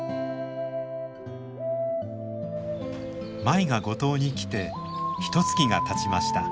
舞が五島に来てひとつきがたちました。